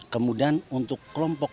kemudian untuk kelompok